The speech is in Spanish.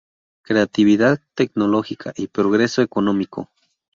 Creatividad tecnológica y progreso económico".